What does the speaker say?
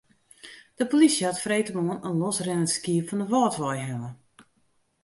De polysje hat freedtemoarn in losrinnend skiep fan de Wâldwei helle.